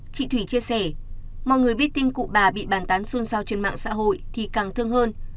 chị thủy chia sẻ mọi người biết tin cụ bà bị bàn tán xuân sao trên mạng xã hội thì càng thương hơn